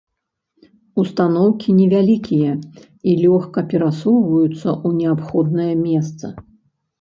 Устаноўкі невялікія і лёгка перасоўваюцца ў неабходнае месца.